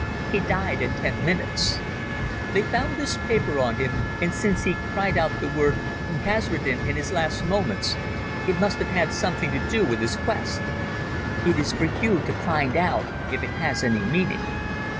He died in ten minutes. They found this paper on him, and since he cried out the word 'Kasredin' in his last moments, it must have had something to do with his quest. It is for you to find out if it has any meaning."